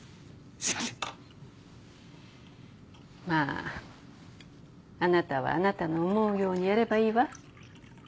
まああなたはあなたの思うようにやればいいわ。